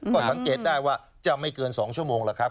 ก็สังเกตได้ว่าจะไม่เกิน๒ชั่วโมงแล้วครับ